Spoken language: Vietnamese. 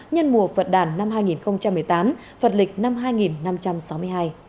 nhân mùa phật đàn năm hai nghìn một mươi tám phật lịch năm hai nghìn năm trăm sáu mươi hai